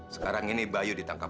sekarang ini bayu ditangkap